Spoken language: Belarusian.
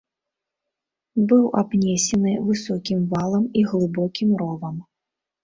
Быў абнесены высокім валам і глыбокім ровам.